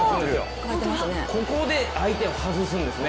ここで相手を外すんですね。